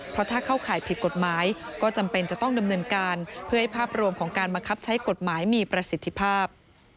เพราะถ้าเข้าข่ายผิดกฎหมายก็จำเป็นจะต้องดำเนินการเพื่อให้ภาพรวมของการบังคับใช้กฎหมายมีประสิทธิภาพ